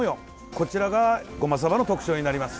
こちらがゴマサバの特徴になります。